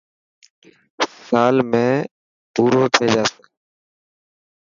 سال ۾ پورو ٿي جاسي.